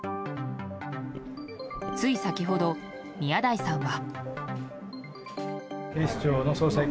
つい先ほど宮台さんは。